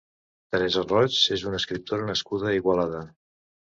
Teresa Roig és una escriptora nascuda a Igualada.